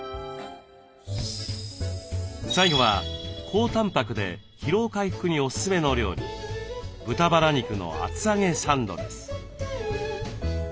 最後は高たんぱくで疲労回復におすすめの料理「豚バラ肉の厚揚げサンド」です。